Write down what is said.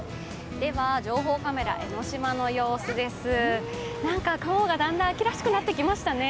情報カメラ、江の島の様子です、雲がだんだん秋らしくなってきましたね。